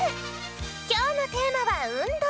きょうのテーマは「運動」！